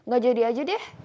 gak jadi aja deh